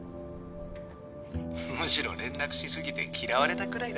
むしろ連絡し過ぎて嫌われたくらいだからな。